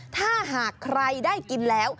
ถ้าหากใครได้กินแล้ว